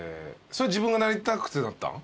自分がなりたくてなった？